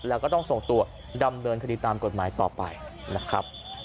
แล้วก็ต้องส่งตัวดำเนินคดีตามกฎหมายต่อไปนะครับ